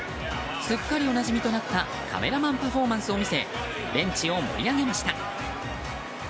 すっかり、おなじみとなったカメラマンパフォーマンスを見せベンチを盛り上げました。